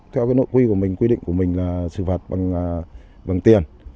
theo nội quy của mình quy định của mình là xử phạt bằng tiền